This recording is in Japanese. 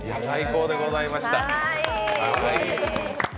最高でございました。